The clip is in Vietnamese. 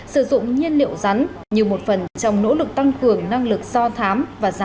sử dụng nhiên liệu rắn như một phần trong nỗ lực tăng cường năng lực so thám và giám sát trên không gian